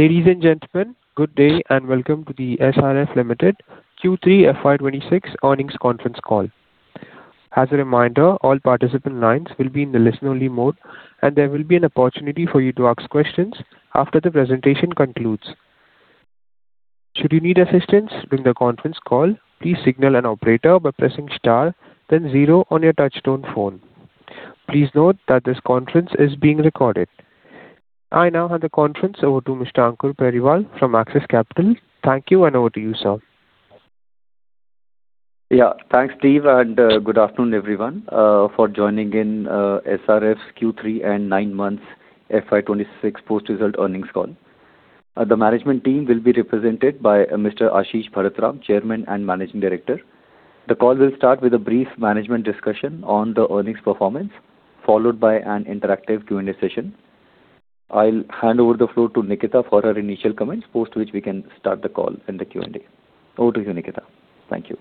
Ladies and gentlemen, good day and welcome to the SRF Limited Q3 FY 2026 earnings conference call. As a reminder, all participant lines will be in the listen-only mode, and there will be an opportunity for you to ask questions after the presentation concludes. Should you need assistance during the conference call, please signal an operator by pressing star, then zero on your touch-tone phone. Please note that this conference is being recorded. I now hand the conference over to Mr. Ankur Periwal from Axis Capital. Thank you, and over to you, sir. Yeah, thanks, Steve, and good afternoon, everyone, for joining in SRF's Q3 and nine months FY 2026 post-result earnings call. The management team will be represented by Mr. Ashish Bharat Ram, Chairman and Managing Director. The call will start with a brief management discussion on the earnings performance, followed by an interactive Q&A session. I'll hand over the floor to Nitika for her initial comments, post which we can start the call and the Q&A. Over to you, Nitika. Thank you.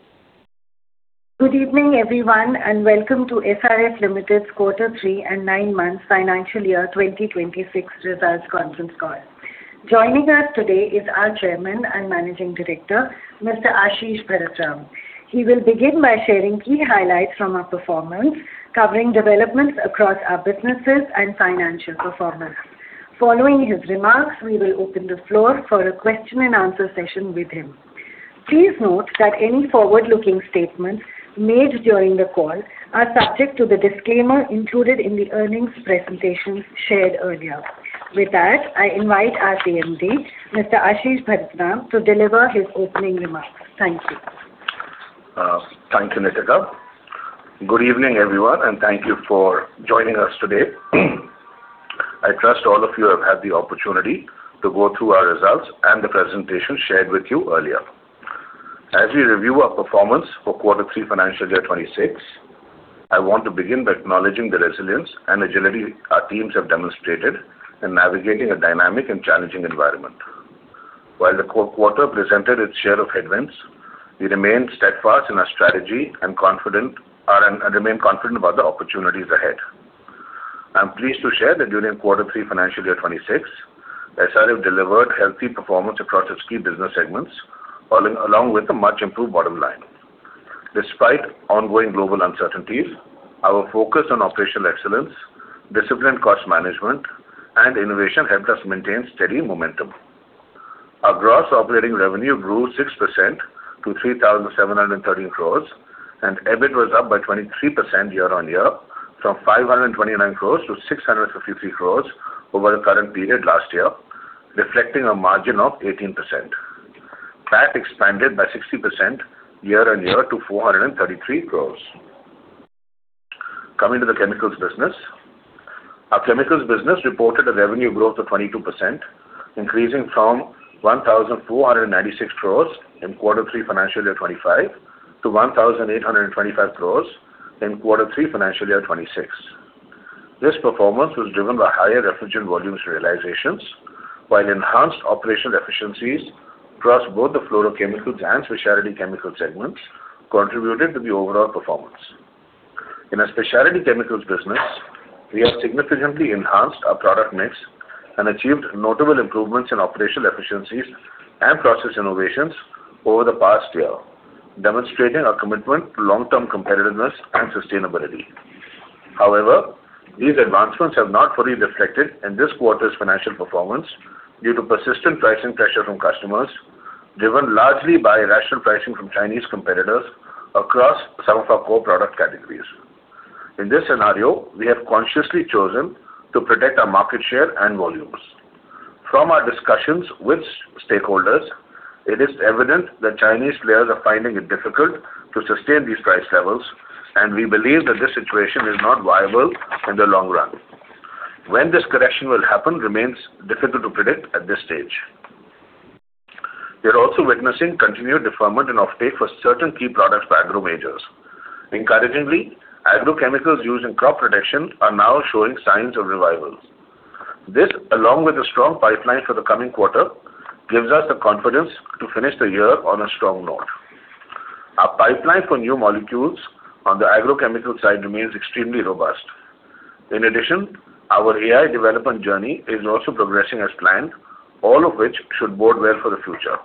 Good evening, everyone, and welcome to SRF Limited's Quarter Three and Nine Months Financial Year 2026 Results Conference Call. Joining us today is our Chairman and Managing Director, Mr. Ashish Bharat Ram. He will begin by sharing key highlights from our performance, covering developments across our businesses and financial performance. Following his remarks, we will open the floor for a question-and-answer session with him. Please note that any forward-looking statements made during the call are subject to the disclaimer included in the earnings presentations shared earlier. With that, I invite our CMD, Mr. Ashish Bharat Ram, to deliver his opening remarks. Thank you. Thank you, Nitika. Good evening, everyone, and thank you for joining us today. I trust all of you have had the opportunity to go through our results and the presentation shared with you earlier. As we review our performance for Quarter Three Financial Year 2026, I want to begin by acknowledging the resilience and agility our teams have demonstrated in navigating a dynamic and challenging environment. While the quarter presented its share of headwinds, we remained steadfast in our strategy and confident about the opportunities ahead. I'm pleased to share that during Quarter Three Financial Year 2026, SRF delivered healthy performance across its key business segments, along with a much-improved bottom line. Despite ongoing global uncertainties, our focus on operational excellence, disciplined cost management, and innovation helped us maintain steady momentum. Our gross operating revenue grew 6% to 3,713 crores, and EBIT was up by 23% year-on-year, from 529 crores to 653 crores over the current period last year, reflecting a margin of 18%. That expanded by 60% year-on-year to 433 crores. Coming to the chemicals business, our chemicals business reported a revenue growth of 22%, increasing from 1,496 crores in Quarter Three Financial Year 2025 to 1,825 crores in Quarter Three Financial Year 2026. This performance was driven by higher refrigerant volumes realizations, while enhanced operational efficiencies across both the fluorochemicals and specialty chemicals segments contributed to the overall performance. In our specialty chemicals business, we have significantly enhanced our product mix and achieved notable improvements in operational efficiencies and process innovations over the past year, demonstrating our commitment to long-term competitiveness and sustainability. However, these advancements have not fully reflected in this quarter's financial performance due to persistent pricing pressure from customers, driven largely by irrational pricing from Chinese competitors across some of our core product categories. In this scenario, we have consciously chosen to protect our market share and volumes. From our discussions with stakeholders, it is evident that Chinese players are finding it difficult to sustain these price levels, and we believe that this situation is not viable in the long run. When this correction will happen remains difficult to predict at this stage. We are also witnessing continued deferment and offtake for certain key products by agro majors. Encouragingly, agrochemicals used in crop production are now showing signs of revival. This, along with a strong pipeline for the coming quarter, gives us the confidence to finish the year on a strong note. Our pipeline for new molecules on the agrochemical side remains extremely robust. In addition, our AI development journey is also progressing as planned, all of which should bode well for the future.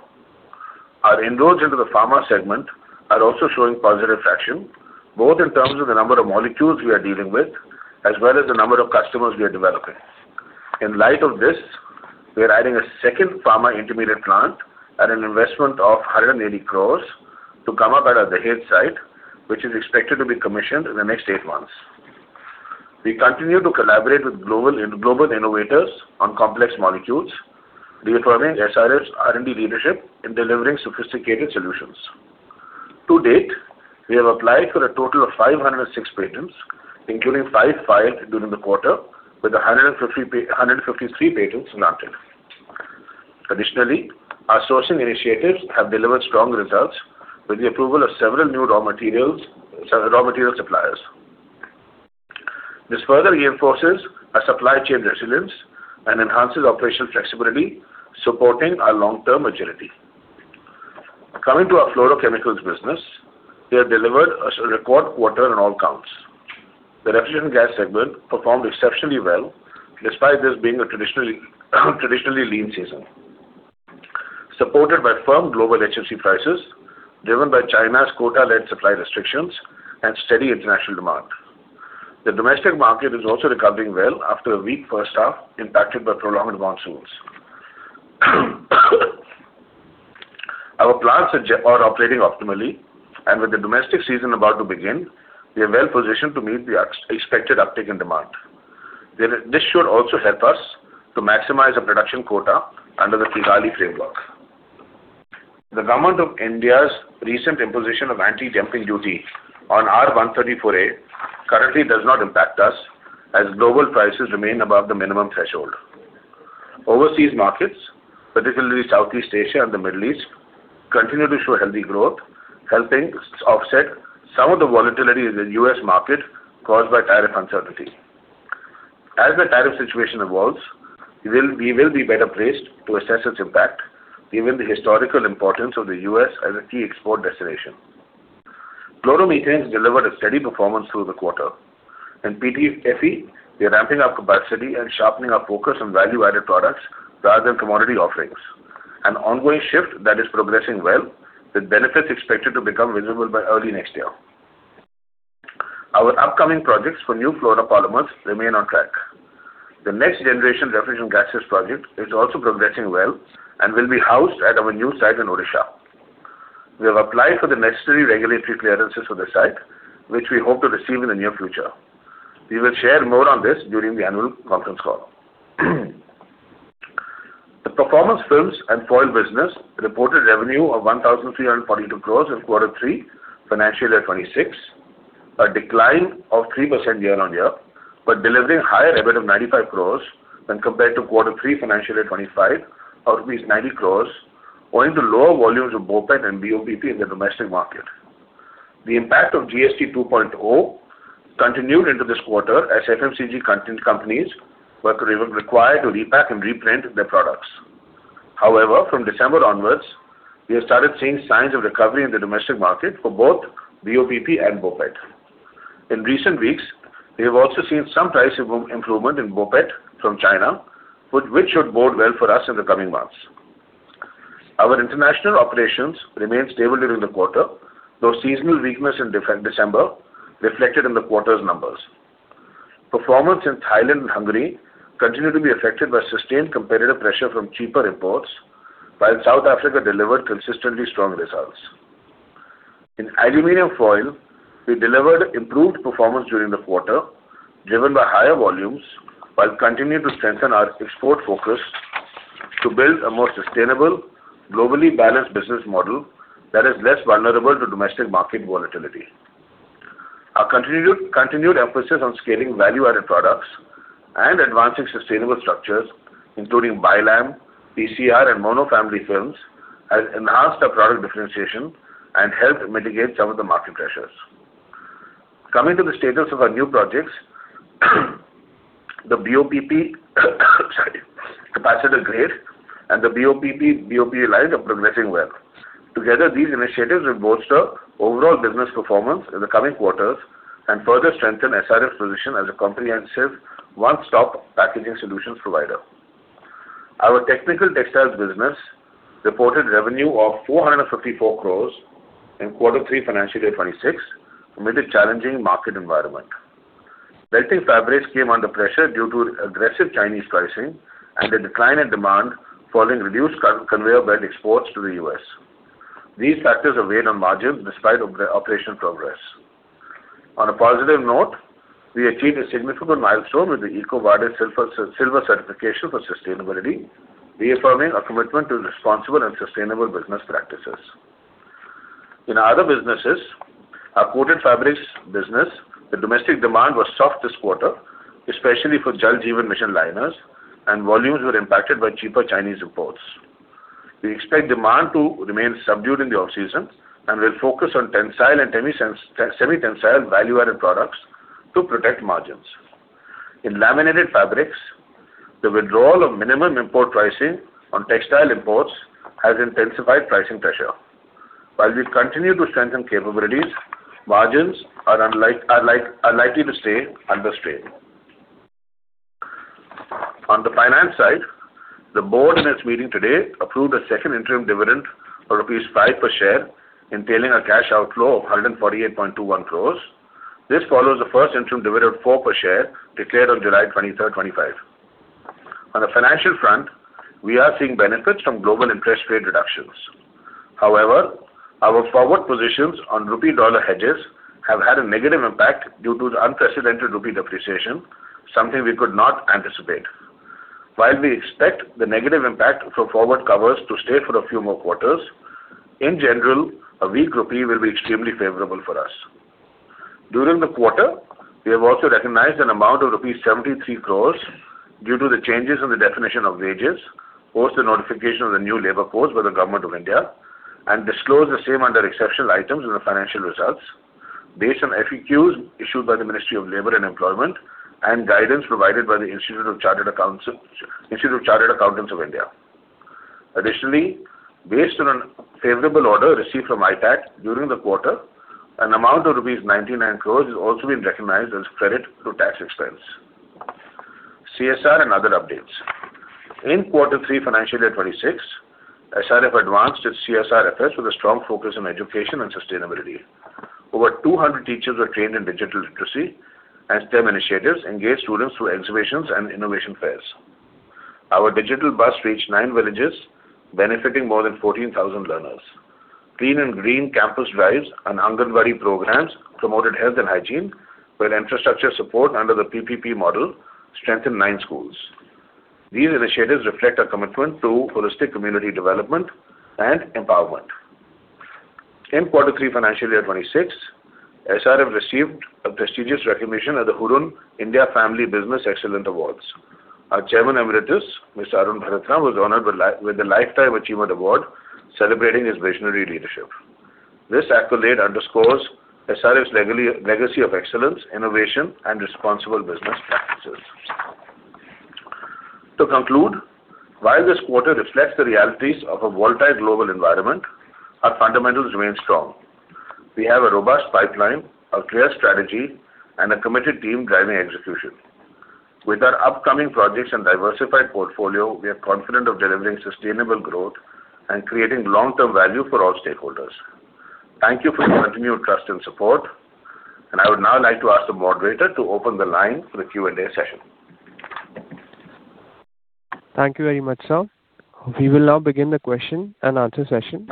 Our inroads into the pharma segment are also showing positive traction, both in terms of the number of molecules we are dealing with as well as the number of customers we are developing. In light of this, we are adding a second pharma intermediate plant at an investment of 180 crores to Dahej, the hub site, which is expected to be commissioned in the next eight months. We continue to collaborate with global innovators on complex molecules, reaffirming SRF's R&D leadership in delivering sophisticated solutions. To date, we have applied for a total of 506 patents, including five filed during the quarter, with 153 patents granted. Additionally, our sourcing initiatives have delivered strong results with the approval of several new raw material suppliers. This further reinforces our supply chain resilience and enhances operational flexibility, supporting our long-term agility. Coming to our fluorochemicals business, we have delivered a record quarter on all counts. The refrigerant gas segment performed exceptionally well despite this being a traditionally lean season, supported by firm global HFC prices, driven by China's quota-led supply restrictions, and steady international demand. The domestic market is also recovering well after a weak first half impacted by prolonged monsoons. Our plants are operating optimally, and with the domestic season about to begin, we are well positioned to meet the expected uptake and demand. This should also help us to maximize our production quota under the Kigali framework. The government of India's recent imposition of anti-dumping duty on R-134a currently does not impact us, as global prices remain above the minimum threshold. Overseas markets, particularly Southeast Asia and the Middle East, continue to show healthy growth, helping offset some of the volatility in the U.S. market caused by tariff uncertainty. As the tariff situation evolves, we will be better placed to assess its impact, given the historical importance of the U.S. as a key export destination. Fluoromethane has delivered a steady performance through the quarter. In PTFE, we are ramping up capacity and sharpening our focus on value-added products rather than commodity offerings, an ongoing shift that is progressing well, with benefits expected to become visible by early next year. Our upcoming projects for new fluoropolymer remain on track. The next-generation refrigerant gases project is also progressing well and will be housed at our new site in Odisha. We have applied for the necessary regulatory clearances for the site, which we hope to receive in the near future. We will share more on this during the annual conference call. The Performance Films and Foils business reported revenue of INR 1,342 crores in Quarter Three Financial Year 2026, a decline of 3% year-on-year, but delivering higher EBIT of 95 crores when compared to Quarter Three Financial Year 2025, or at least rupees 90 crores, owing to lower volumes of BOPET and BOPP in the domestic market. The impact of GST 2.0 continued into this quarter as FMCG companies were required to repack and reprint their products. However, from December onwards, we have started seeing signs of recovery in the domestic market for both BOPP and BOPET. In recent weeks, we have also seen some price improvement in BOPET from China, which should bode well for us in the coming months. Our international operations remained stable during the quarter, though seasonal weakness in December reflected in the quarter's numbers. Performance in Thailand and Hungary continued to be affected by sustained competitive pressure from cheaper imports, while South Africa delivered consistently strong results. In aluminum foil, we delivered improved performance during the quarter, driven by higher volumes, but continued to strengthen our export focus to build a more sustainable, globally balanced business model that is less vulnerable to domestic market volatility. Our continued emphasis on scaling value-added products and advancing sustainable structures, including Biolam, PCR, and mono-material films, has enhanced our product differentiation and helped mitigate some of the market pressures. Coming to the status of our new projects, the BOPP capacitor grade and the BOPE line are progressing well. Together, these initiatives will bolster overall business performance in the coming quarters and further strengthen SRF's position as a comprehensive one-stop packaging solutions provider. Our technical textiles business reported revenue of 454 crores in Quarter Three Financial Year 2026 amid a challenging market environment. Belting fabrics came under pressure due to aggressive Chinese pricing and a decline in demand following reduced conveyor belt exports to the U.S. These factors have weighed on margins despite operational progress. On a positive note, we achieved a significant milestone with the EcoVadis silver certification for sustainability, reaffirming our commitment to responsible and sustainable business practices. In other businesses, our coated fabrics business, the domestic demand was soft this quarter, especially for Jal Jeevan Mission liners, and volumes were impacted by cheaper Chinese imports. We expect demand to remain subdued in the off-season and will focus on tensile and semi-tensile value-added products to protect margins. In laminated fabrics, the withdrawal of minimum import price on textile imports has intensified pricing pressure. While we continue to strengthen capabilities, margins are likely to stay under strain. On the finance side, the board in its meeting today approved a second interim dividend of INR 5 per share, entailing a cash outflow of 148.21 crores. This follows the first interim dividend of 4 per share declared on July 23rd, 2025. On the financial front, we are seeing benefits from global interest rate reductions. However, our forward positions on Rupee Dollar hedges have had a negative impact due to the unprecedented Rupee depreciation, something we could not anticipate. While we expect the negative impact for forward covers to stay for a few more quarters, in general, a weak Rupee will be extremely favorable for us. During the quarter, we have also recognized an amount of 73 crores rupees due to the changes in the definition of wages, post the notification of the new labor codes by the Government of India, and disclosed the same under exceptional items in the financial results based on FAQs issued by the Ministry of Labour and Employment and guidance provided by the Institute of Chartered Accountants of India. Additionally, based on a favorable order received from ITAT during the quarter, an amount of rupees 99 crores has also been recognized as credit to tax expense. CSR and other updates. In Quarter Three Financial Year 2026, SRF advanced its CSR efforts with a strong focus on education and sustainability. Over 200 teachers were trained in digital literacy, and STEM initiatives engaged students through exhibitions and innovation fairs. Our digital bus reached nine villages, benefiting more than 14,000 learners. Clean and green campus drives and Anganwadi programs promoted health and hygiene, where infrastructure support under the PPP model strengthened nine schools. These initiatives reflect our commitment to holistic community development and empowerment. In Quarter Three Financial Year 2026, SRF received a prestigious recognition at the Hurun India Family Business Excellence Awards. Our Chairman Emeritus, Mr. Ashish Bharat Ram, was honored with the Lifetime Achievement Award, celebrating his visionary leadership. This accolade underscores SRF's legacy of excellence, innovation, and responsible business practices. To conclude, while this quarter reflects the realities of a volatile global environment, our fundamentals remain strong. We have a robust pipeline, a clear strategy, and a committed team driving execution. With our upcoming projects and diversified portfolio, we are confident of delivering sustainable growth and creating long-term value for all stakeholders. Thank you for your continued trust and support, and I would now like to ask the moderator to open the line for the Q&A session. Thank you very much, sir. We will now begin the question-and-answer session.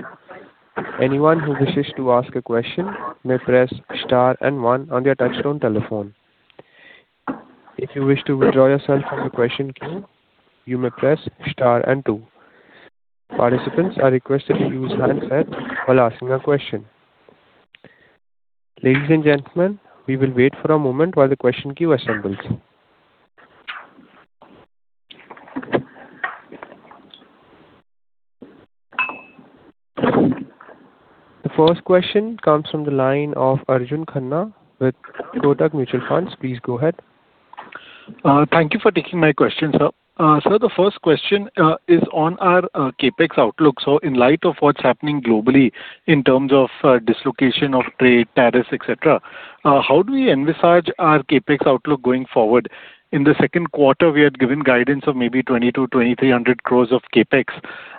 Anyone who wishes to ask a question may press star and one on their touch-tone telephone. If you wish to withdraw yourself from the question queue, you may press star and two. Participants are requested to use handset while asking a question. Ladies and gentlemen, we will wait for a moment while the question queue assembles. The first question comes from the line of Arjun Khanna with Kotak Mutual Fund. Please go ahead. Thank you for taking my question, sir. Sir, the first question is on our CapEx outlook. So, in light of what's happening globally in terms of dislocation of trade, tariffs, etc., how do we envisage our CapEx outlook going forward? In the second quarter, we had given guidance of maybe 2,000-2,300 crores of CapEx.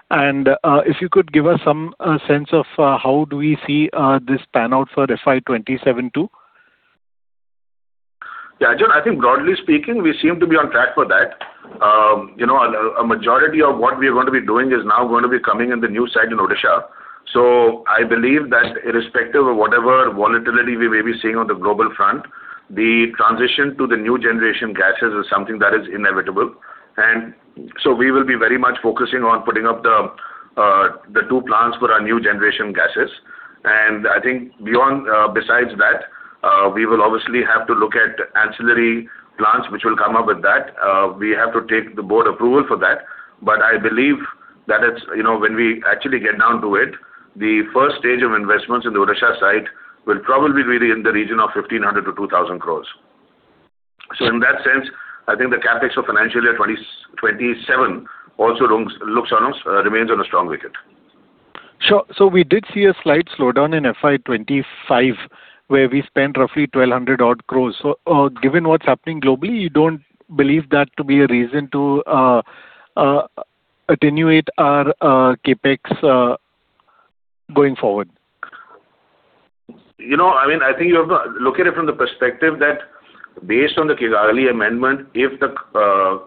And if you could give us some sense of how do we see this pan out for FY 2027 too? Yeah, Arjun, I think broadly speaking, we seem to be on track for that. A majority of what we are going to be doing is now going to be coming in the new site in Odisha. So, I believe that irrespective of whatever volatility we may be seeing on the global front, the transition to the new generation gases is something that is inevitable. And so, we will be very much focusing on putting up the two plants for our new generation gases. I think besides that, we will obviously have to look at ancillary plants which will come up with that. We have to take the board approval for that. But I believe that when we actually get down to it, the first stage of investments in the Odisha site will probably be in the region of 1,500-2,000 crores. So, in that sense, I think the CapEx of Financial Year 2027 also remains on a strong wicket. Sure. So, we did see a slight slowdown in FY 2025, where we spent roughly 1,200 crores. So, given what's happening globally, you don't believe that to be a reason to attenuate our CapEx going forward? You know, I mean, I think you have to look at it from the perspective that based on the Kigali Amendment, if the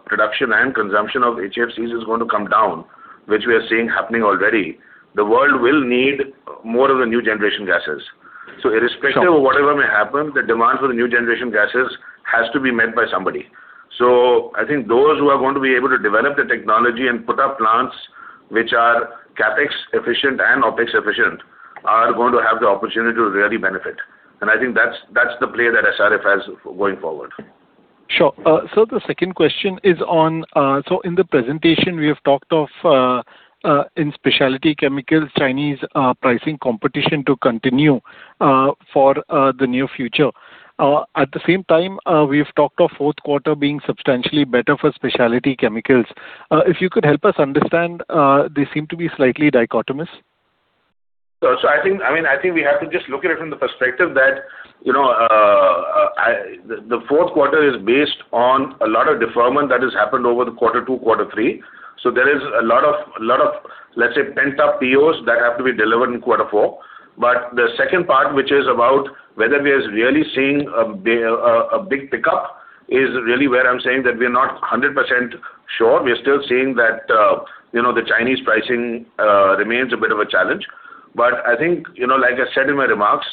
production and consumption of HFCs is going to come down, which we are seeing happening already, the world will need more of the new generation gases. So, irrespective of whatever may happen, the demand for the new generation gases has to be met by somebody. So, I think those who are going to be able to develop the technology and put up plants which are CapEx efficient and OpEx efficient are going to have the opportunity to really benefit. And I think that's the play that SRF has going forward. Sure. Sir, the second question is on, so in the presentation, we have talked of, in specialty chemicals, Chinese pricing competition to continue for the near future. At the same time, we have talked of fourth quarter being substantially better for specialty chemicals. If you could help us understand, they seem to be slightly dichotomous. So, I mean, I think we have to just look at it from the perspective that the fourth quarter is based on a lot of deferment that has happened over the quarter two, quarter three. So, there is a lot of, let's say, pent-up POs that have to be delivered in quarter four. But the second part, which is about whether we are really seeing a big pickup, is really where I'm saying that we are not 100% sure. We are still seeing that the Chinese pricing remains a bit of a challenge. But I think, like I said in my remarks,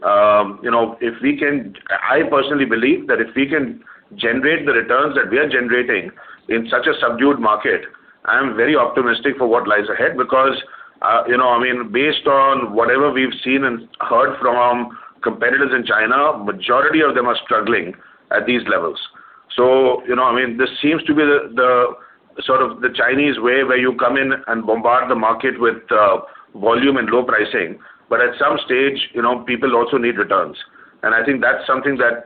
if we can, I personally believe that if we can generate the returns that we are generating in such a subdued market, I'm very optimistic for what lies ahead because, I mean, based on whatever we've seen and heard from competitors in China, the majority of them are struggling at these levels. So, I mean, this seems to be the sort of the Chinese way where you come in and bombard the market with volume and low pricing. But at some stage, people also need returns. And I think that's something that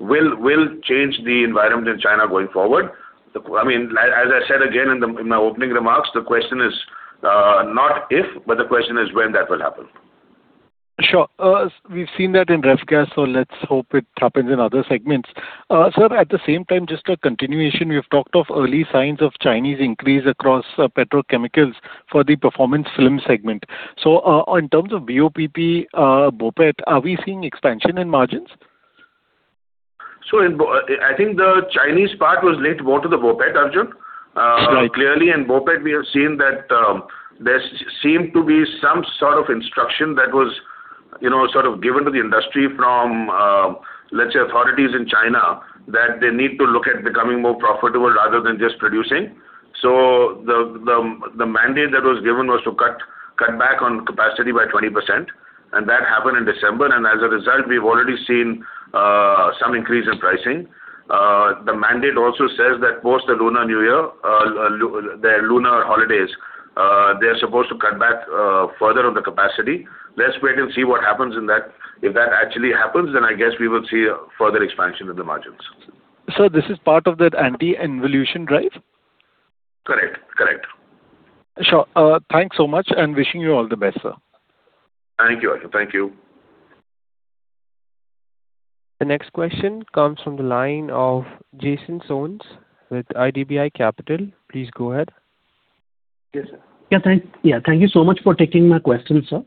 will change the environment in China going forward. I mean, as I said again in my opening remarks, the question is not if, but the question is when that will happen. Sure. We've seen that in ref gas, so let's hope it happens in other segments. Sir, at the same time, just a continuation, we have talked of early signs of Chinese increase across petrochemicals for the performance film segment. In terms of BOPP, BOPET, are we seeing expansion in margins? I think the Chinese part was linked more to the BOPET, Arjun. Clearly, in BOPET, we have seen that there seemed to be some sort of instruction that was sort of given to the industry from, let's say, authorities in China that they need to look at becoming more profitable rather than just producing. The mandate that was given was to cut back on capacity by 20%. And that happened in December. And as a result, we've already seen some increase in pricing. The mandate also says that post the Lunar New Year, their Lunar holidays, they're supposed to cut back further on the capacity. Let's wait and see what happens in that. If that actually happens, then I guess we will see further expansion in the margins. Sir, this is part of the anti-involution drive? Correct. Correct. Sure. Thanks so much and wishing you all the best, sir. Thank you, Arjun. Thank you. The next question comes from the line of Jason Soans with IDBI Capital. Please go ahead. Yes, sir. Yeah, thank you so much for taking my question, sir.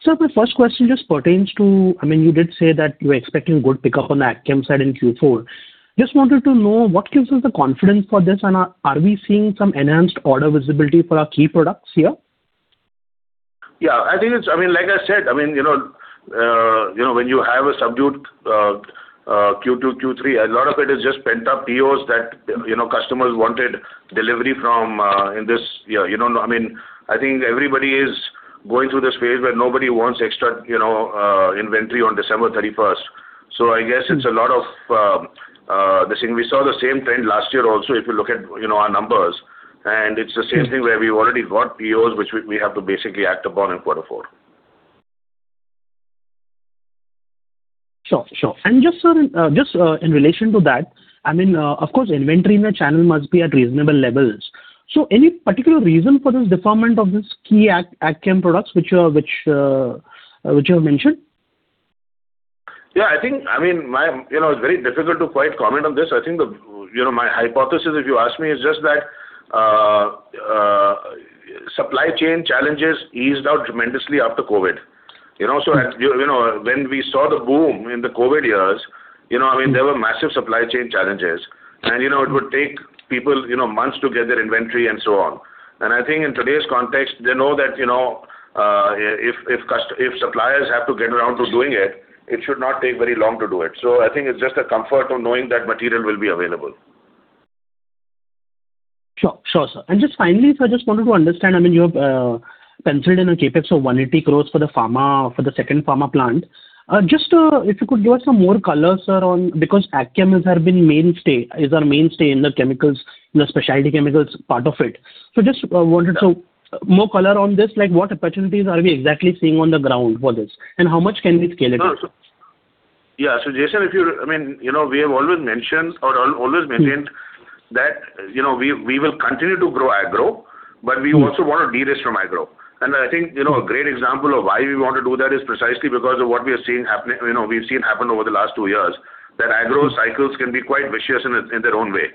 Sir, my first question just pertains to, I mean, you did say that you were expecting a good pickup on the agchem side in Q4. Just wanted to know what gives us the confidence for this and are we seeing some enhanced order visibility for our key products here? Yeah, I think it's, I mean, like I said, I mean, when you have a subdued Q2, Q3, a lot of it is just pent-up POs that customers wanted delivery from in this, I mean, I think everybody is going through this phase where nobody wants extra inventory on December 31st. So, I guess it's a lot of the same. We saw the same trend last year also if you look at our numbers. And it's the same thing where we've already got POs which we have to basically act upon in quarter four. Sure. Sure. And just in relation to that, I mean, of course, inventory in the channel must be at reasonable levels. So, any particular reason for this deferment of these key agchem products which you have mentioned? Yeah, I think, I mean, it's very difficult to quite comment on this. I think my hypothesis, if you ask me, is just that supply chain challenges eased out tremendously after COVID. So, when we saw the boom in the COVID years, I mean, there were massive supply chain challenges. And it would take people months to get their inventory and so on. And I think in today's context, they know that if suppliers have to get around to doing it, it should not take very long to do it. So, I think it's just a comfort of knowing that material will be available. Sure. Sure, sir. And just finally, sir, I just wanted to understand, I mean, you have penciled in a CapEx of 180 crores for the second pharma plant. Just if you could give us some more color, sir, on because AgChem has been our mainstay in the specialty chemicals part of it. So, just wanted to know more color on this, like what opportunities are we exactly seeing on the ground for this? And how much can we scale it up? Yeah. So, Jason, if you're, I mean, we have always mentioned or always maintained that we will continue to grow agro, but we also want to derisk from agro. And I think a great example of why we want to do that is precisely because of what we are seeing happening, we've seen happen over the last two years, that agro cycles can be quite vicious in their own way.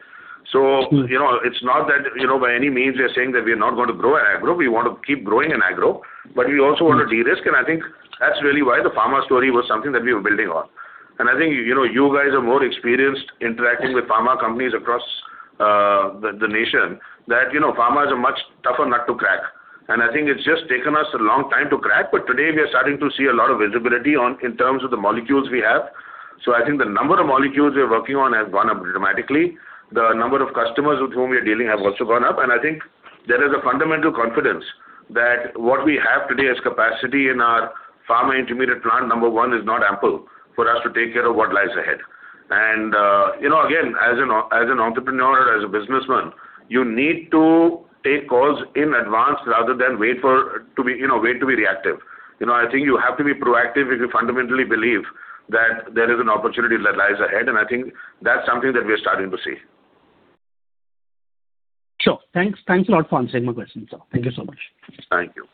So, it's not that by any means we are saying that we are not going to grow in agro. We want to keep growing in agro, but we also want to derisk. And I think that's really why the pharma story was something that we were building on. I think you guys are more experienced interacting with pharma companies across the nation that pharma is a much tougher nut to crack. I think it's just taken us a long time to crack, but today we are starting to see a lot of visibility in terms of the molecules we have. I think the number of molecules we are working on has gone up dramatically. The number of customers with whom we are dealing have also gone up. I think there is a fundamental confidence that what we have today as capacity in our pharma intermediate plant, number one, is not ample for us to take care of what lies ahead. Again, as an entrepreneur or as a businessman, you need to take calls in advance rather than wait to be reactive. I think you have to be proactive if you fundamentally believe that there is an opportunity that lies ahead. And I think that's something that we are starting to see. Sure. Thanks a lot for answering my question, sir. Thank you so much. Thank you.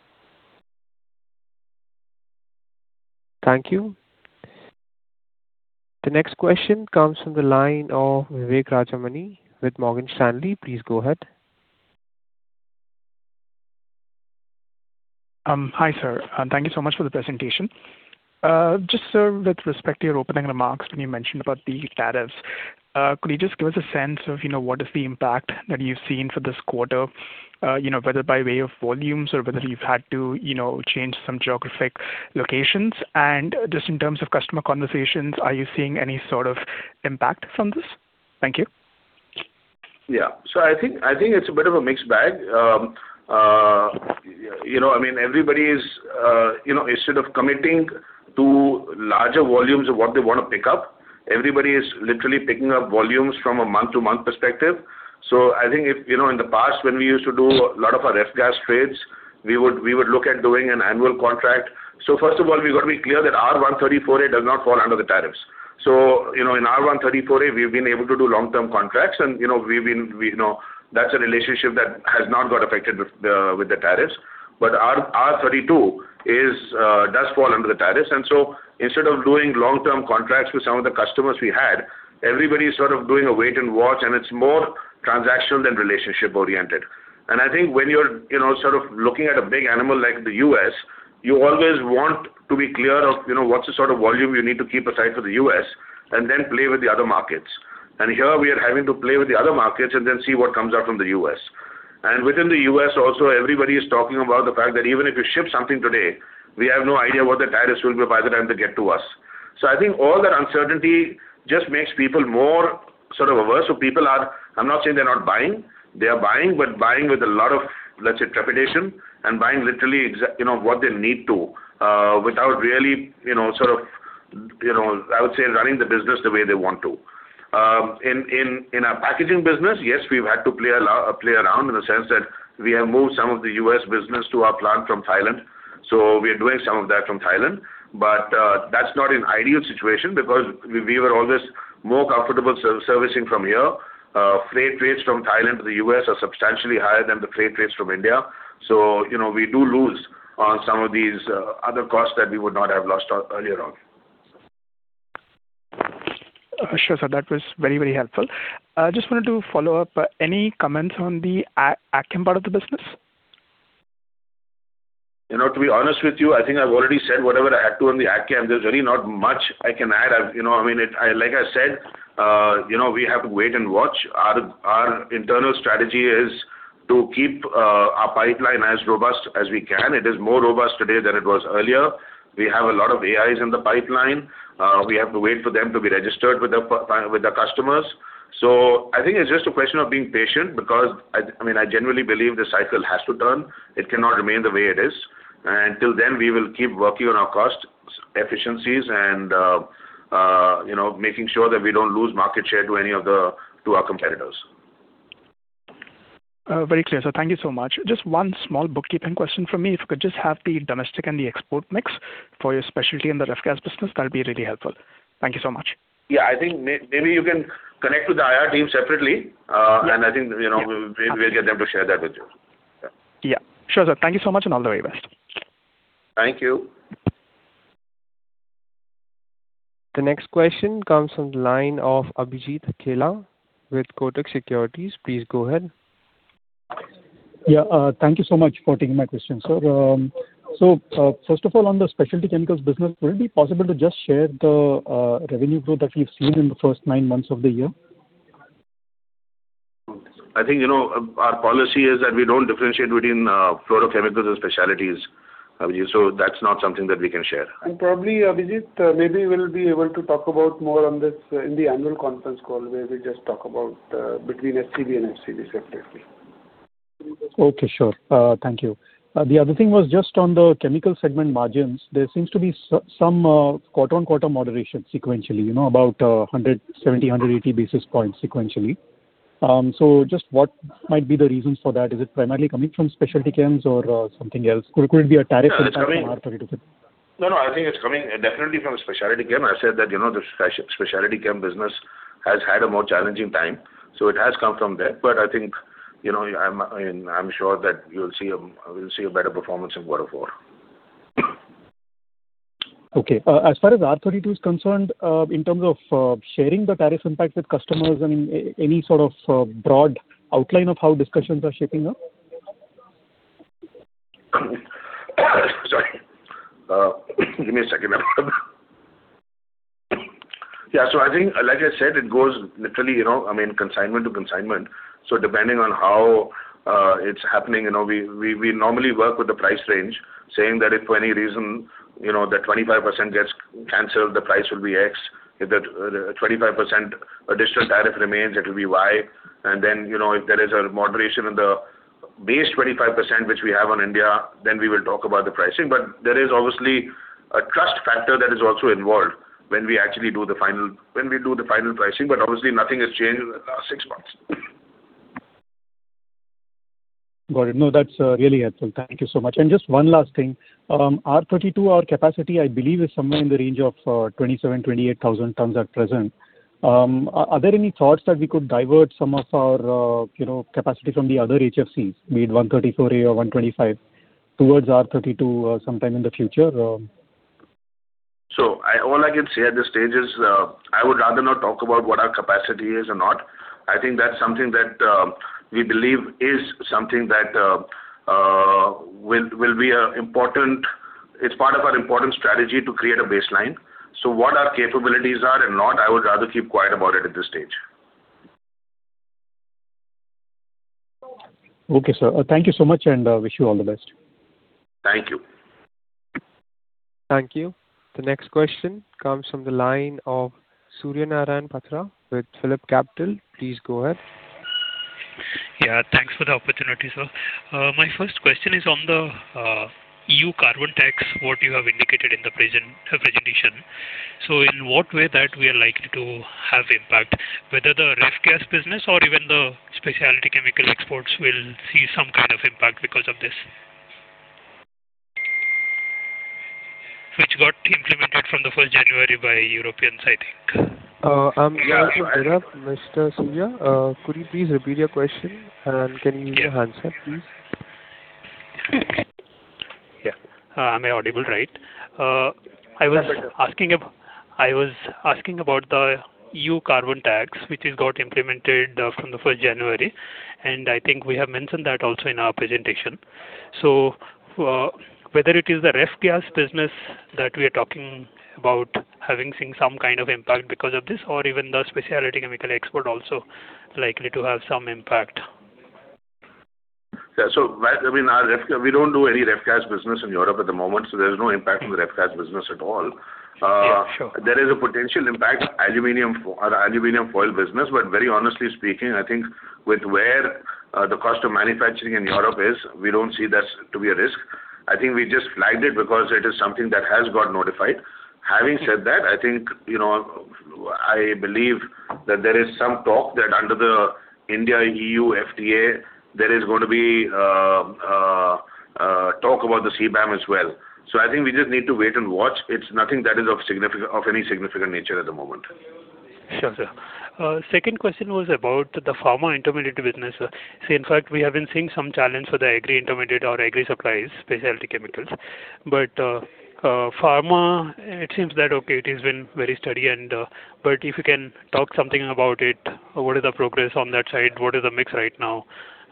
Thank you. The next question comes from the line of Vivek Rajamani with Morgan Stanley. Please go ahead. Hi, sir. Thank you so much for the presentation. Just, sir, with respect to your opening remarks when you mentioned about the tariffs, could you just give us a sense of what is the impact that you've seen for this quarter, whether by way of volumes or whether you've had to change some geographic locations? And just in terms of customer conversations, are you seeing any sort of impact from this? Thank you. Yeah. So, I think it's a bit of a mixed bag. I mean, everybody is, instead of committing to larger volumes of what they want to pick up, everybody is literally picking up volumes from a month-to-month perspective. So, I think in the past, when we used to do a lot of our ref gas trades, we would look at doing an annual contract. So, first of all, we've got to be clear that R-134a does not fall under the tariffs. So, in R-134a, we've been able to do long-term contracts. And that's a relationship that has not got affected with the tariffs. But R-32 does fall under the tariffs. And so, instead of doing long-term contracts with some of the customers we had, everybody is sort of doing a wait-and-watch, and it's more transactional than relationship-oriented. I think when you're sort of looking at a big animal like the U.S., you always want to be clear of what's the sort of volume you need to keep aside for the U.S. and then play with the other markets. Here, we are having to play with the other markets and then see what comes out from the U.S. Within the U.S., also, everybody is talking about the fact that even if you ship something today, we have no idea what the tariffs will be by the time they get to us. I think all that uncertainty just makes people more sort of averse. People are. I'm not saying they're not buying. They are buying, but buying with a lot of, let's say, trepidation and buying literally what they need to without really sort of, I would say, running the business the way they want to. In our packaging business, yes, we've had to play around in the sense that we have moved some of the U.S. business to our plant from Thailand. So, we are doing some of that from Thailand. But that's not an ideal situation because we were always more comfortable servicing from here. Freight rates from Thailand to the U.S. are substantially higher than the freight rates from India. So, we do lose on some of these other costs that we would not have lost earlier on. Sure, sir. That was very, very helpful. I just wanted to follow up. Any comments on the AgChem part of the business? To be honest with you, I think I've already said whatever I had to on the agchem. There's really not much I can add. I mean, like I said, we have to wait and watch. Our internal strategy is to keep our pipeline as robust as we can. It is more robust today than it was earlier. We have a lot of AIs in the pipeline. We have to wait for them to be registered with the customers. So, I think it's just a question of being patient because, I mean, I genuinely believe the cycle has to turn. It cannot remain the way it is. And until then, we will keep working on our cost efficiencies and making sure that we don't lose market share to any of our competitors. Very clear. Sir, thank you so much. Just one small bookkeeping question from me. If you could just have the domestic and the export mix for your specialty in the ref gas business, that would be really helpful. Thank you so much. Yeah, I think maybe you can connect with the IR team separately. And I think we'll get them to share that with you. Yeah. Sure, sir. Thank you so much and all the very best. Thank you. The next question comes from the line of Abhijit Akella with Kotak Securities. Please go ahead. Yeah. Thank you so much for taking my question, sir. So, first of all, on the specialty chemicals business, would it be possible to just share the revenue growth that we've seen in the first nine months of the year? I think our policy is that we don't differentiate between fluorochemicals and specialties. So, that's not something that we can share. And probably, Abhijit, maybe we'll be able to talk about more on this in the annual conference call where we just talk about between SCB and FCB separately. Okay. Sure. Thank you. The other thing was just on the chemical segment margins. There seems to be some quarter-on-quarter moderation sequentially, about 170-180 basis points sequentially. So, just what might be the reasons for that? Is it primarily coming from specialty chems or something else? Could it be a tariff from R-32? No, no. I think it's coming definitely from the specialty chem. I said that the specialty chem business has had a more challenging time. So, it has come from there. But I think I'm sure that we'll see a better performance in quarter four. Okay. As far as R-32 is concerned, in terms of sharing the tariff impact with customers, I mean, any sort of broad outline of how discussions are shaping up? Sorry. Give me a second. Yeah. So, I think, like I said, it goes literally, I mean, consignment to consignment. So, depending on how it's happening, we normally work with the price range, saying that if for any reason the 25% gets canceled, the price will be X. If the 25% additional tariff remains, it will be Y. And then if there is a moderation in the base 25%, which we have on India, then we will talk about the pricing. But there is obviously a trust factor that is also involved when we actually do the final pricing. But obviously, nothing has changed in the last six months. Got it. No, that's really helpful. Thank you so much. And just one last thing. R-32, our capacity, I believe, is somewhere in the range of 27,000, 28,000 tons at present. Are there any thoughts that we could divert some of our capacity from the other HFCs, be it 134a or 125, towards R-32 sometime in the future? So, all I can say at this stage is I would rather not talk about what our capacity is or not. I think that's something that we believe is something that will be an important it's part of our important strategy to create a baseline. So, what our capabilities are and not, I would rather keep quiet about it at this stage. Okay, sir. Thank you so much and wish you all the best. Thank you. Thank you. The next question comes from the line of Suryanarayan Patra with PhillipCapital. Please go ahead. Yeah. Thanks for the opportunity, sir. My first question is on the EU carbon tax, what you have indicated in the presentation. So, in what way that we are likely to have impact, whether the ref gas business or even the specialty chemical exports will see some kind of impact because of this, which got implemented from the 1st January by Europeans, I think. I'm here from Europe, Mr. Surya. Could you please repeat your question? And can you speak up, please? Yeah. I'm audible, right? I was asking about the EU carbon tax, which has got implemented from the 1st January. And I think we have mentioned that also in our presentation. So, whether it is the ref gas business that we are talking about having seen some kind of impact because of this, or even the specialty chemical export also likely to have some impact. Yeah. So, I mean, we don't do any ref gas business in Europe at the moment, so there's no impact on the ref gas business at all. There is a potential impact, aluminum foil business, but very honestly speaking, I think with where the cost of manufacturing in Europe is, we don't see that to be a risk. I think we just flagged it because it is something that has got notified. Having said that, I think I believe that there is some talk that under the India EU FTA, there is going to be talk about the CBAM as well. So, I think we just need to wait and watch. It's nothing that is of any significant nature at the moment. Sure, sir. Second question was about the pharma intermediate business. So, in fact, we have been seeing some challenge for the agri intermediate or agri supplies, specialty chemicals. But pharma, it seems that, okay, it has been very steady. But if you can talk something about it, what is the progress on that side? What is the mix right now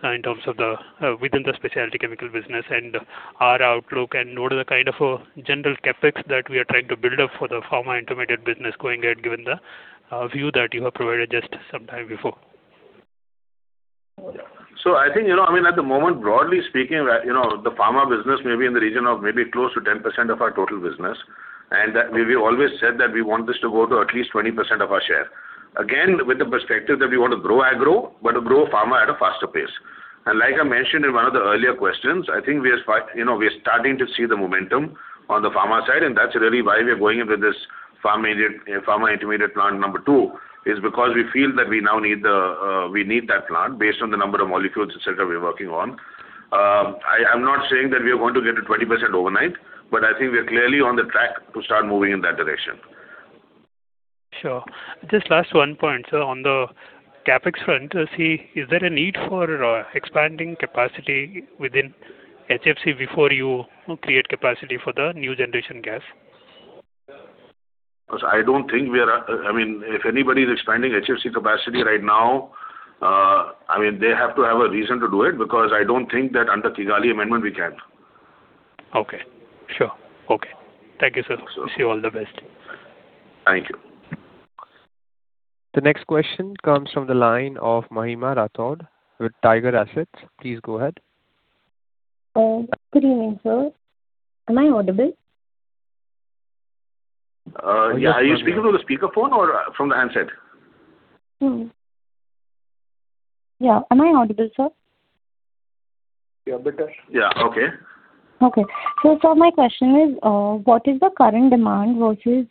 in terms of within the specialty chemical business and our outlook? And what is the kind of general CapEx that we are trying to build up for the pharma intermediate business going ahead, given the view that you have provided just some time before? So, I think, I mean, at the moment, broadly speaking, the pharma business may be in the region of maybe close to 10% of our total business. And we've always said that we want this to go to at least 20% of our share. Again, with the perspective that we want to grow agro, but grow pharma at a faster pace. Like I mentioned in one of the earlier questions, I think we are starting to see the momentum on the pharma side. That's really why we are going in with this pharma intermediate plant number two, is because we feel that we now need that plant based on the number of molecules, etc., we're working on. I'm not saying that we are going to get to 20% overnight, but I think we are clearly on the track to start moving in that direction. Sure. Just last one point, sir, on the CapEx front. Is there a need for expanding capacity within HFC before you create capacity for the new generation gas? Because I don't think we are, I mean, if anybody is expanding HFC capacity right now, I mean, they have to have a reason to do it because I don't think that under Kigali Amendment, we can. Okay. Sure. Okay. Thank you, sir. Wish you all the best. Thank you. The next question comes from the line of Mahima Rathod with Tiger Assets. Please go ahead. Good evening, sir. Am I audible? Yeah. Are you speaking through the speakerphone or from the handset? Yeah. Am I audible, sir? Yeah, better. Yeah. Okay. Okay. So, sir, my question is, what is the current demand versus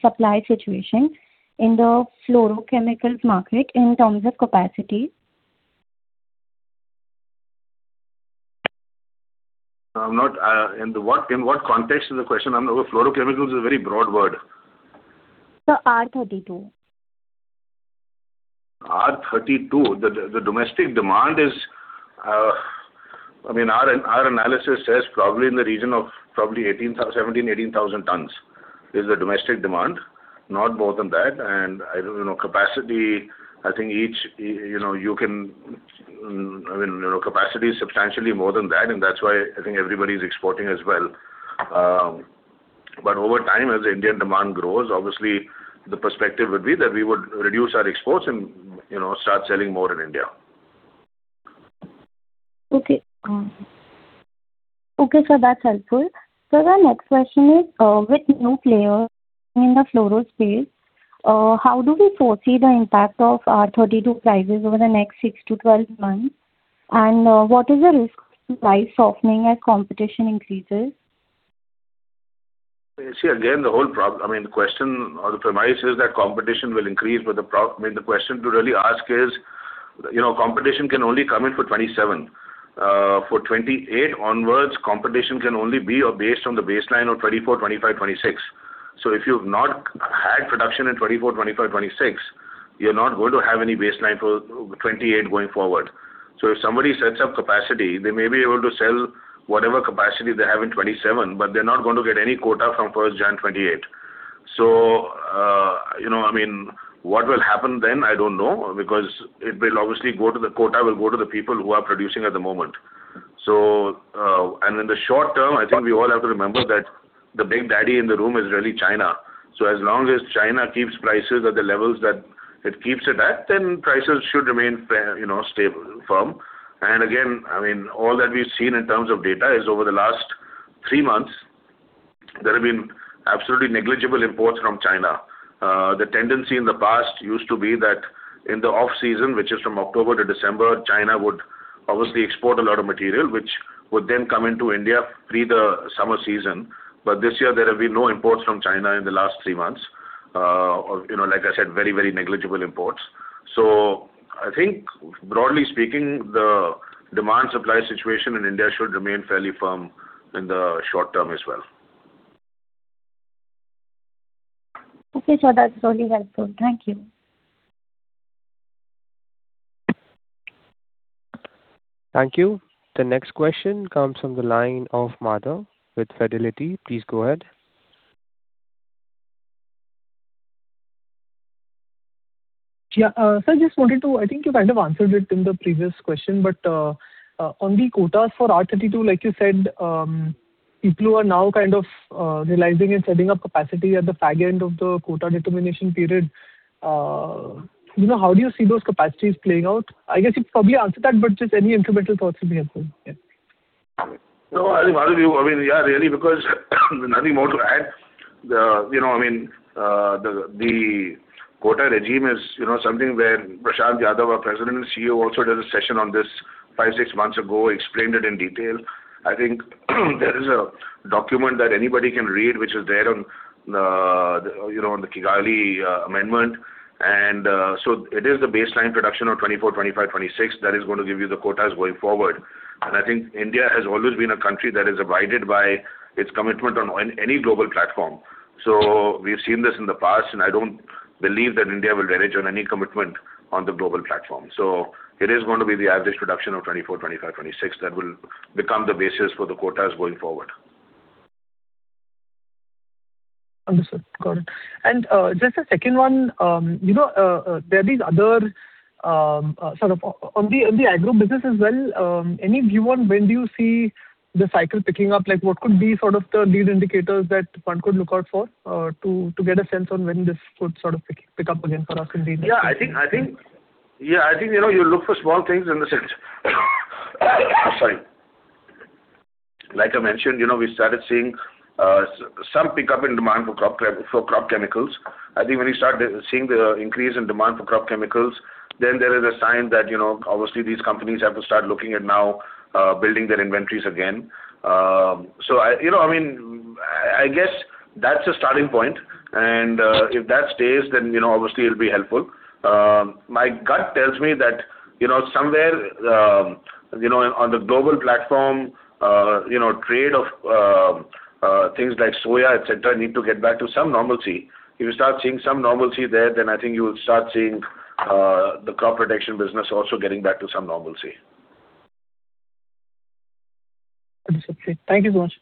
supply situation in the fluorochemicals market in terms of capacity? In what context is the question? I'm not sure. Fluorochemicals is a very broad word. So, R-32. R-32. The domestic demand is, I mean, our analysis says probably in the region of probably 17,000, 18,000 tons is the domestic demand, not more than that. And capacity, I think each, you can, I mean, capacity is substantially more than that. And that's why I think everybody is exporting as well. But over time, as the Indian demand grows, obviously, the perspective would be that we would reduce our exports and start selling more in India. Okay. Okay, sir. That's helpful. Sir, my next question is, with new players in the fluoro space, how do we foresee the impact of R-32 prices over the next 6 to 12 months? And what is the risk to price softening as competition increases? See, again, the whole problem, I mean, the question or the premise is that competition will increase. But the question to really ask is, competition can only come in for 2027. For 2028 onwards, competition can only be based on the baseline of 2024, 2025, 2026. So, if you've not had production in 2024, 2025, 2026, you're not going to have any baseline for 2028 going forward. If somebody sets up capacity, they may be able to sell whatever capacity they have in 2027, but they're not going to get any quota from January 1, 2028. I mean, what will happen then, I don't know, because the quota will obviously go to the people who are producing at the moment. In the short term, I think we all have to remember that the big daddy in the room is really China. As long as China keeps prices at the levels that it keeps it at, then prices should remain stable, firm. Again, I mean, all that we've seen in terms of data is over the last three months, there have been absolutely negligible imports from China. The tendency in the past used to be that in the off-season, which is from October to December, China would obviously export a lot of material, which would then come into India through the summer season. But this year, there have been no imports from China in the last three months. Like I said, very, very negligible imports. So, I think, broadly speaking, the demand-supply situation in India should remain fairly firm in the short term as well. Okay, sir. That's really helpful. Thank you. Thank you. The next question comes from the line of Madhav with Fidelity. Please go ahead. Yeah. Sir, I just wanted to, I think you kind of answered it in the previous question. But on the quotas for R-32, like you said, people are now kind of realizing and setting up capacity at the fag end of the quota determination period. How do you see those capacities playing out? I guess you probably answered that, but just any incremental thoughts would be helpful. Yeah. No, I think Madhav, you—I mean, yeah, really, because nothing more to add. I mean, the quota regime is something where Prashant Yadav, our President and CEO, also did a session on this five, six months ago, explained it in detail. I think there is a document that anybody can read, which is there on the Kigali Amendment. And so, it is the baseline production of 2024, 2025, 2026 that is going to give you the quotas going forward. And I think India has always been a country that abides by its commitment on any global platform. So, we've seen this in the past, and I don't believe that India will renege on any commitment on the global platform. So, it is going to be the average production of 2024, 2025, 2026 that will become the basis for the quotas going forward. Understood. Got it. And just a second one, there are these other sort of on the agro business as well. Any view on when do you see the cycle picking up? What could be sort of the lead indicators that one could look out for to get a sense on when this could sort of pick up again for us in the industry? Yeah. I think, yeah, I think you look for small things in the, sorry. Like I mentioned, we started seeing some pickup in demand for crop chemicals. I think when you start seeing the increase in demand for crop chemicals, then there is a sign that obviously these companies have to start looking at now building their inventories again. So, I mean, I guess that's a starting point. And if that stays, then obviously it'll be helpful. My gut tells me that somewhere on the global platform, trade of things like soya, etc., need to get back to some normalcy. If you start seeing some normalcy there, then I think you will start seeing the crop protection business also getting back to some normalcy. Understood. Thank you so much.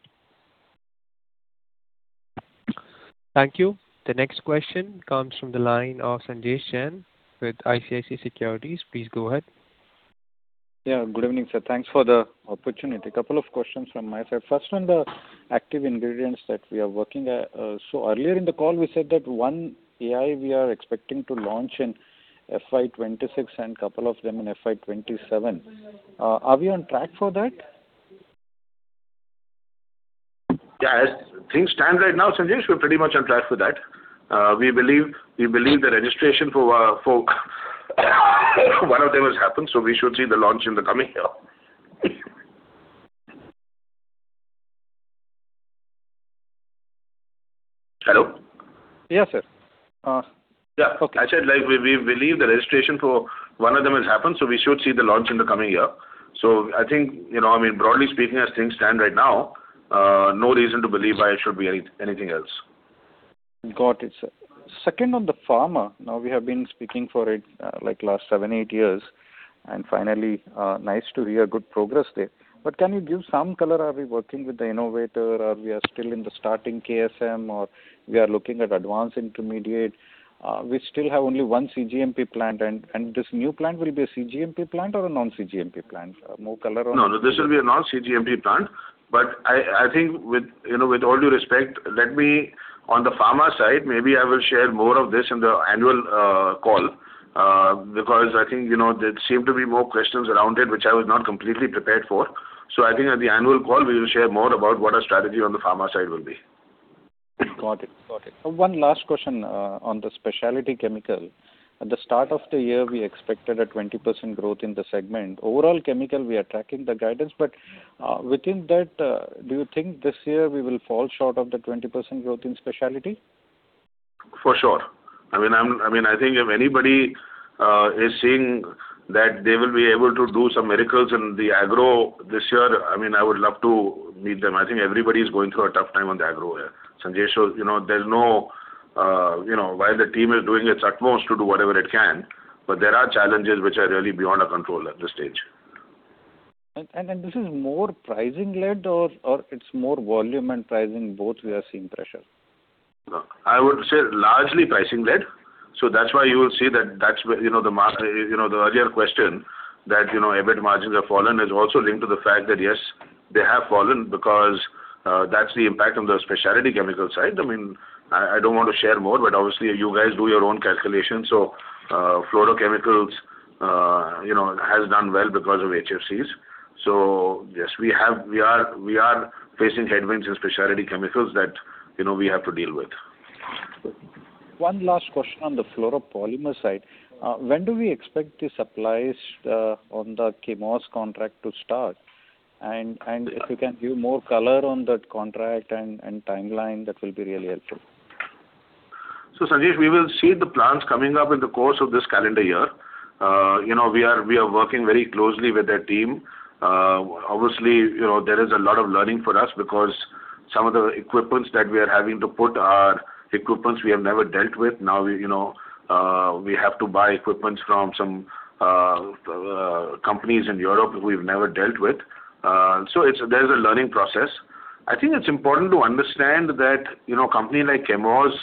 Thank you. The next question comes from the line of Sanjay Jain with ICICI Securities. Please go ahead. Yeah. Good evening, sir. Thanks for the opportunity. Couple of questions from my side. First, on the active ingredients that we are working at. So, earlier in the call, we said that one AI we are expecting to launch in FY 2026 and a couple of them in FY 2027. Are we on track for that? Yeah. As things stand right now, Sanjay, we're pretty much on track for that. We believe the registration for one of them has happened, so we should see the launch in the coming year. Hello? Yes, sir. Yeah. I said we believe the registration for one of them has happened, so we should see the launch in the coming year. So, I think, I mean, broadly speaking, as things stand right now, no reason to believe why it should be anything else. Got it, sir. Second, on the pharma, now we have been speaking for it like last seven, eight years. And finally, nice to hear good progress there. But can you give some color? Are we working with the innovator? Are we still in the starting KSM, or we are looking at advanced intermediate? We still have only one CGMP plant. This new plant will be a CGMP plant or a non-CGMP plant? More color on that? No, this will be a non-CGMP plant. But I think with all due respect, let me on the pharma side, maybe I will share more of this in the annual call because I think there seem to be more questions around it, which I was not completely prepared for. So, I think at the annual call, we will share more about what our strategy on the pharma side will be. Got it. Got it. One last question on the specialty chemical. At the start of the year, we expected a 20% growth in the segment. Overall chemical, we are tracking the guidance. But within that, do you think this year we will fall short of the 20% growth in specialty? For sure. I mean, I think if anybody is seeing that they will be able to do some miracles in the agro this year, I mean, I would love to meet them. I think everybody is going through a tough time on the agro here. Sanjay, there's no. While the team is doing its utmost to do whatever it can, but there are challenges which are really beyond our control at this stage. And this is more pricing-led, or it's more volume and pricing both we are seeing pressure? I would say largely pricing-led. So, that's why you will see that that's the earlier question that EBIT margins have fallen is also linked to the fact that, yes, they have fallen because that's the impact on the specialty chemical side. I mean, I don't want to share more, but obviously, you guys do your own calculations. Fluorochemicals has done well because of HFCs. Yes, we are facing headwinds in specialty chemicals that we have to deal with. One last question on the fluoropolymers side. When do we expect the supplies on the Chemours contract to start? And if you can give more color on the contract and timeline, that will be really helpful. Sanjay, we will see the plans coming up in the course of this calendar year. We are working very closely with that team. Obviously, there is a lot of learning for us because some of the equipments that we are having to put are equipments we have never dealt with. Now, we have to buy equipments from some companies in Europe we've never dealt with. There's a learning process. I think it's important to understand that a company like Chemours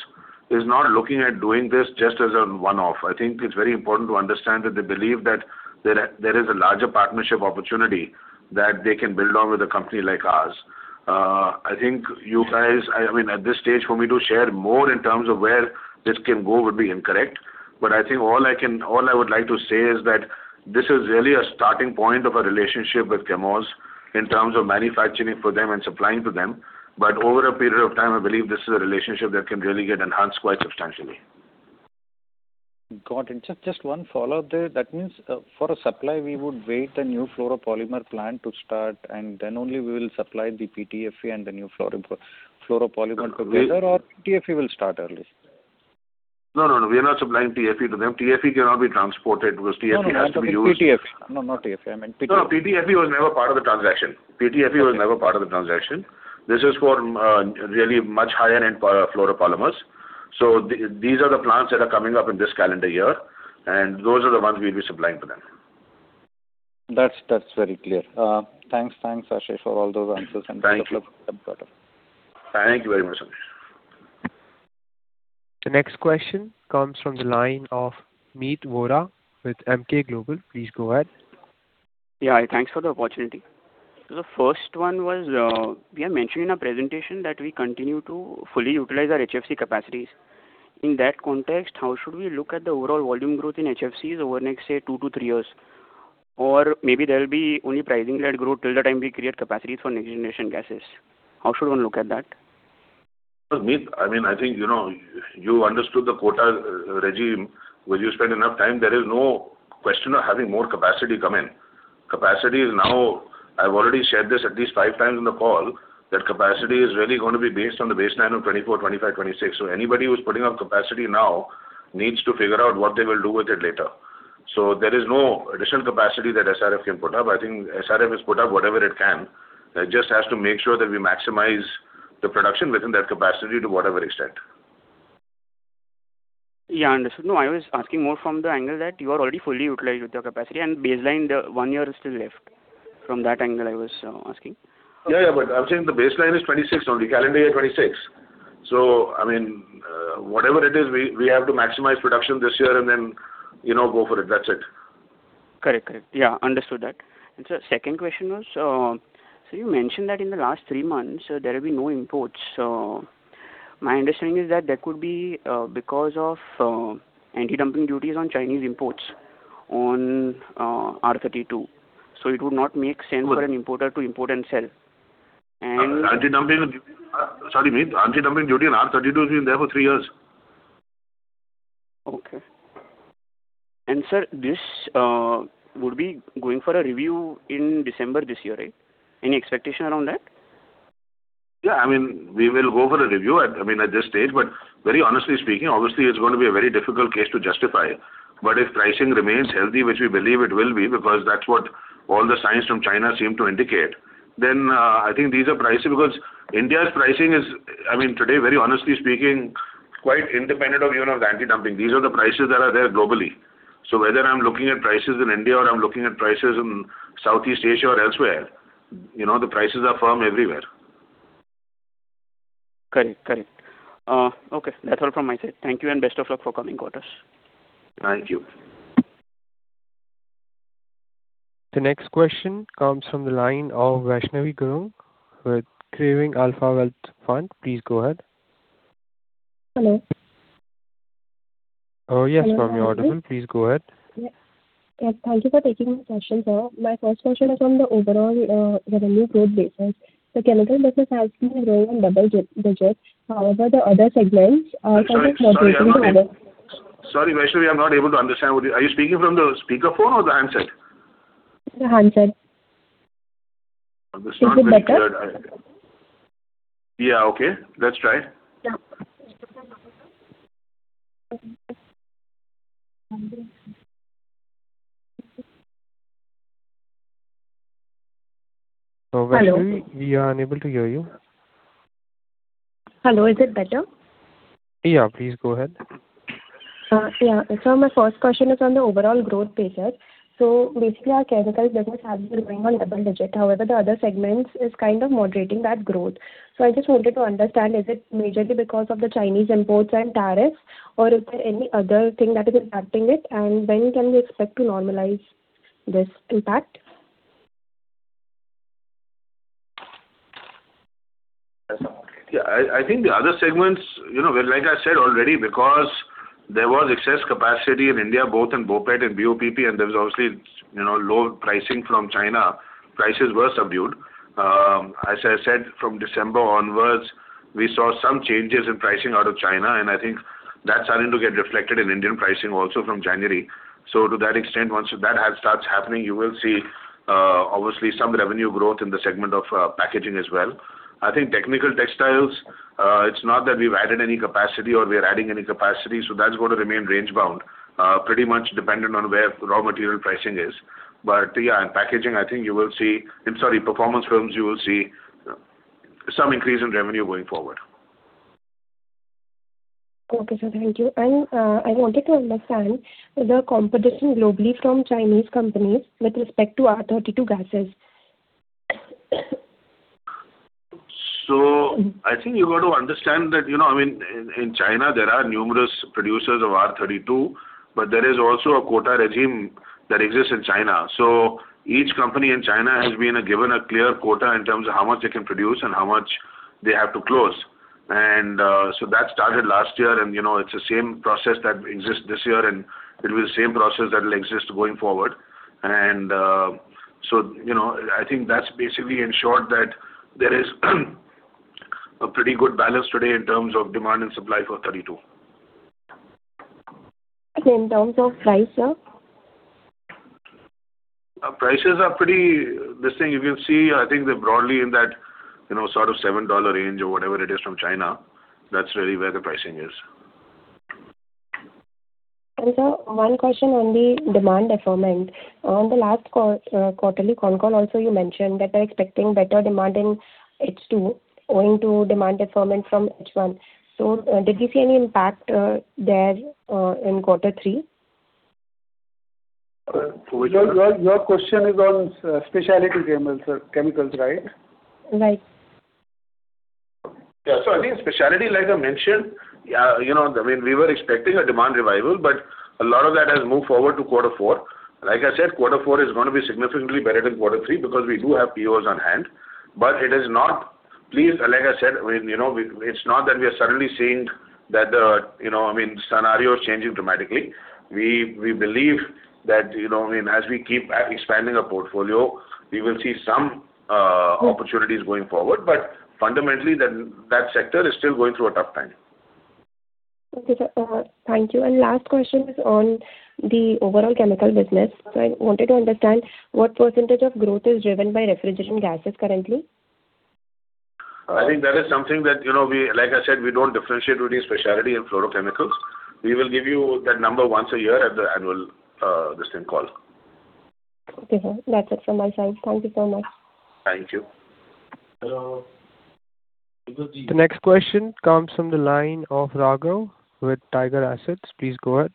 is not looking at doing this just as a one-off. I think it's very important to understand that they believe that there is a larger partnership opportunity that they can build on with a company like ours. I think you guys, I mean, at this stage, for me to share more in terms of where this can go would be incorrect. But I think all I would like to say is that this is really a starting point of a relationship with Chemours in terms of manufacturing for them and supplying to them. But over a period of time, I believe this is a relationship that can really get enhanced quite substantially. Got it. Just one follow-up there. That means for a supply, we would wait the new fluoropolymers plant to start, and then only we will supply the PTFE and the new fluoropolymers together, or TFE will start early? No, no, no. We are not supplying TFE to them. TFE cannot be transported because TFE has to be used. No, not TFE. I mean, PTFE. No, PTFE was never part of the transaction. PTFE was never part of the transaction. This is for really much higher-end fluoropolymers. So, these are the plants that are coming up in this calendar year, and those are the ones we'll be supplying to them. That's very clear. Thanks, thanks, Ashish, for all those answers. And thank you for the broader. Thank you very much, Sanjay. The next question comes from the line of Meet Vora with Emkay Global. Please go ahead. Yeah. Thanks for the opportunity. So, the first one was we are mentioning in our presentation that we continue to fully utilize our HFC capacities. In that context, how should we look at the overall volume growth in HFCs over the next, say, two to three years? Or maybe there'll be only pricing-led growth till the time we create capacities for next-generation gases. How should one look at that? I mean, I think you understood the quota regime. When you spend enough time, there is no question of having more capacity come in. Capacity is now. I've already shared this at least five times in the call, that capacity is really going to be based on the baseline of 2024, 2025, 2026. So, anybody who's putting up capacity now needs to figure out what they will do with it later. So, there is no additional capacity that SRF can put up. I think SRF has put up whatever it can. It just has to make sure that we maximize the production within that capacity to whatever extent. Yeah. Understood. No, I was asking more from the angle that you are already fully utilized with your capacity, and baseline, the one year is still left from that angle I was asking. Yeah, yeah, but I'm saying the baseline is 2026 only. Calendar year 2026. So, I mean, whatever it is, we have to maximize production this year and then go for it. That's it. Correct. Correct. Yeah. Understood that. And so, second question was, so you mentioned that in the last three months, there will be no imports. My understanding is that there could be because of anti-dumping duties on Chinese imports on R-32. So, it would not make sense for an importer to import and sell. And anti-dumping, sorry, means anti-dumping duty on R-32 has been there for three years. Okay. And sir, this would be going for a review in December this year, right? Any expectation around that? Yeah. I mean, we will go for a review at this stage, but very honestly speaking, obviously, it's going to be a very difficult case to justify. But if pricing remains healthy, which we believe it will be because that's what all the signs from China seem to indicate, then I think these are prices because India's pricing is, I mean, today, very honestly speaking, quite independent of even of the anti-dumping. These are the prices that are there globally. So, whether I'm looking at prices in India or I'm looking at prices in Southeast Asia or elsewhere, the prices are firm everywhere. Correct. Correct. Okay. That's all from my side. Thank you, and best of luck for coming quarters. Thank you. The next question comes from the line of Vaishnavi Gurung with Craving Alpha Wealth Fund. Please go ahead. Hello. Oh, yes, you're audible. Please go ahead. Yes. Thank you for taking my questions, sir. My first question is on the overall revenue growth basis. The chemical business has been growing on double digits. However, the other segments are kind of moderating the others. Sorry, Vaishnavi, I'm not able to understand. Are you speaking from the speakerphone or the handset? The handset. Is it better? Yeah. Okay. Let's try. Hello. Hello. We are unable to hear you. Hello. Is it better? Yeah. Please go ahead. Yeah. Sir, my first question is on the overall growth basis. So, basically, our chemical business has been growing on double digits. However, the other segments are kind of moderating that growth. I just wanted to understand, is it majorly because of the Chinese imports and tariffs, or is there any other thing that is impacting it? And when can we expect to normalize this impact? Yeah. I think the other segments, like I said already, because there was excess capacity in India, both in BOPET and BOPP, and there was obviously low pricing from China, prices were subdued. As I said, from December onwards, we saw some changes in pricing out of China, and I think that's starting to get reflected in Indian pricing also from January. So, to that extent, once that starts happening, you will see obviously some revenue growth in the segment of packaging as well. I think technical textiles, it's not that we've added any capacity or we're adding any capacity. So, that's going to remain range-bound, pretty much dependent on where raw material pricing is. But yeah, in packaging, I think you will see, I'm sorry, performance films, you will see some increase in revenue going forward. Okay, sir. Thank you. And I wanted to understand the competition globally from Chinese companies with respect to R-32 gases. So, I think you got to understand that, I mean, in China, there are numerous producers of R-32, but there is also a quota regime that exists in China. So, each company in China has been given a clear quota in terms of how much they can produce and how much they have to close. And so, that started last year, and it's the same process that exists this year, and it will be the same process that will exist going forward. And so, I think that's basically ensured that there is a pretty good balance today in terms of demand and supply for R-32. Okay. In terms of price, sir? Prices are pretty, the thing you can see, I think they're broadly in that sort of $7 range or whatever it is from China. That's really where the pricing is. And sir, one question on the demand effort. On the last quarterly call, also, you mentioned that they're expecting better demand in H2, going to demand effort from H1. So, did you see any impact there in quarter three? Your question is on specialty chemicals, right? Right. Yeah. So, I think specialty, like I mentioned, I mean, we were expecting a demand revival, but a lot of that has moved forward to quarter four. Like I said, quarter four is going to be significantly better than quarter three because we do have POs on hand. It is not. Please, like I said, I mean, it's not that we are suddenly seeing that the, I mean, scenario is changing dramatically. We believe that, I mean, as we keep expanding our portfolio, we will see some opportunities going forward. But fundamentally, that sector is still going through a tough time. Okay. Thank you. The last question is on the overall chemical business. So, I wanted to understand what percentage of growth is driven by refrigerant gases currently? I think that is something that, like I said, we don't differentiate between specialty and fluorochemicals. We will give you that number once a year at the annual listing call. Okay, sir. That's it from my side. Thank you so much. Thank you. Hello. The next question comes from the line of Raghav with Tiger Assets. Please go ahead.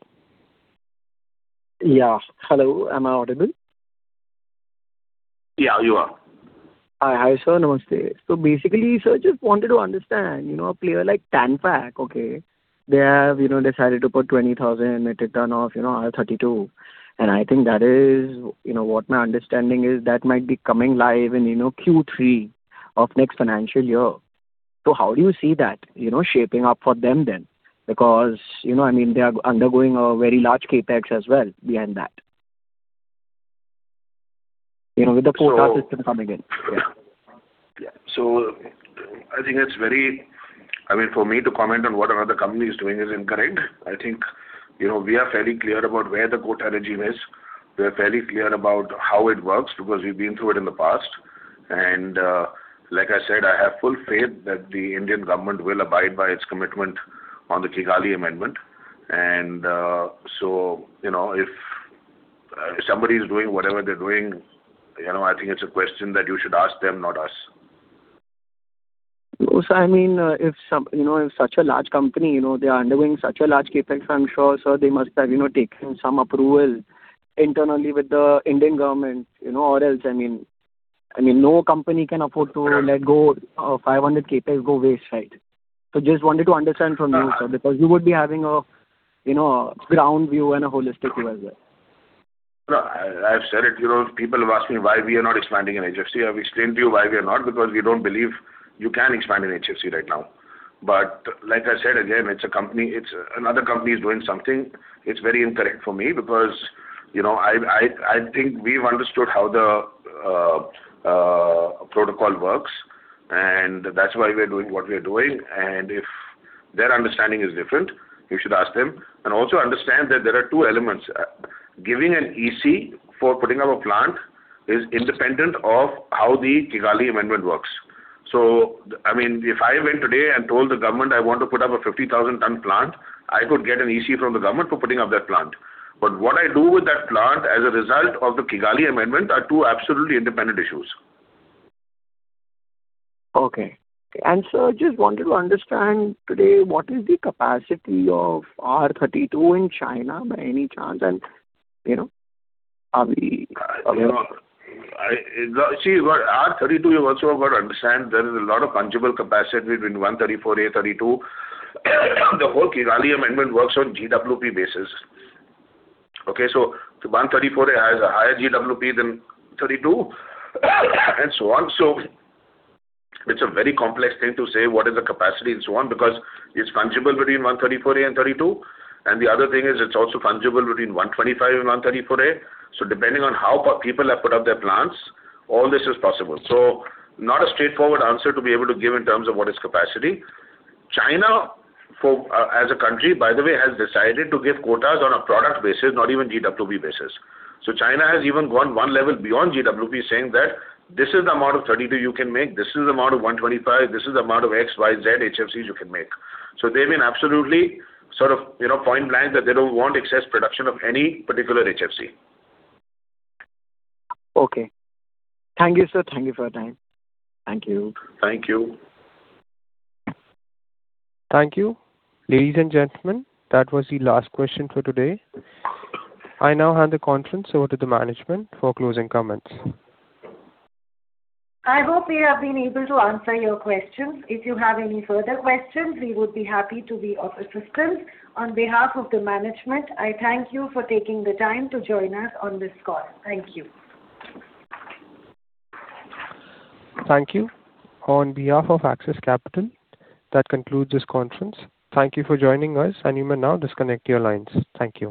Yeah. Hello. Am I audible? Yeah, you are. Hi. Hi, sir. Namaste. So, basically, sir, I just wanted to understand a player like TANFAC, okay? They have decided to put 20,000 metric tonnes of R-32. And I think that is what my understanding is that might be coming live in Q3 of next financial year. So, how do you see that shaping up for them then? Because, I mean, they are undergoing a very large CapEx as well behind that with the quota system coming in. Yeah. So, I think it's very, I mean, for me to comment on what another company is doing is incorrect. I think we are fairly clear about where the quota regime is. We are fairly clear about how it works because we've been through it in the past. And like I said, I have full faith that the Indian government will abide by its commitment on the Kigali Amendment. And so, if somebody is doing whatever they're doing, I think it's a question that you should ask them, not us. So, I mean, if such a large company, they are undergoing such a large CapEx, I'm sure, sir, they must have taken some approval internally with the Indian government or else. I mean, no company can afford to let 500 CapEx go waste, right? So, just wanted to understand from you, sir, because you would be having a ground view and a holistic view as well. I've said it. People have asked me why we are not expanding in HFC. I've explained to you why we are not because we don't believe you can expand in HFC right now. But like I said, again, it's another company is doing something. It's very incorrect for me because I think we've understood how the protocol works, and that's why we're doing what we're doing. And if their understanding is different, you should ask them. And also understand that there are two elements. Giving an EC for putting up a plant is independent of how the Kigali Amendment works. So, I mean, if I went today and told the government I want to put up a 50,000 ton plant, I could get an EC from the government for putting up that plant. But what I do with that plant as a result of the Kigali Amendment are two absolutely independent issues. Okay. And sir, I just wanted to understand today what is the capacity of R-32 in China by any chance? And are we. See, R-32, you also got to understand there is a lot of fungible capacity between 134a, 32. The whole Kigali amendment works on GWP basis. Okay? So, 134a has a higher GWP than 32 and so on. So, it's a very complex thing to say what is the capacity and so on because it's fungible between 134a and 32. And the other thing is it's also fungible between 125 and 134a. So, depending on how people have put up their plants, all this is possible. So, not a straightforward answer to be able to give in terms of what is capacity. China, as a country, by the way, has decided to give quotas on a product basis, not even GWP basis. So, China has even gone one level beyond GWP, saying that this is the amount of 32 you can make. This is the amount of 125. This is the amount of X, Y, Z HFCs you can make. So, they've been absolutely sort of point-blank that they don't want excess production of any particular HFC. Okay. Thank you, sir. Thank you for your time. Thank you. Thank you. Thank you. Ladies and gentlemen, that was the last question for today. I now hand the conference over to the management for closing comments. I hope we have been able to answer your questions. If you have any further questions, we would be happy to be of assistance. On behalf of the management, I thank you for taking the time to join us on this call. Thank you. Thank you. On behalf of Axis Capital, that concludes this conference. Thank you for joining us, and you may now disconnect your lines. Thank you.